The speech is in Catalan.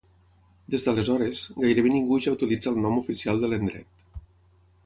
Des d'aleshores, gairebé ningú ja utilitza el nom oficial de l'endret.